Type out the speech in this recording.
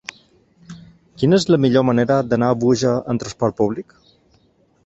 Quina és la millor manera d'anar a Búger amb transport públic?